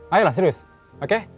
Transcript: ayolah serius oke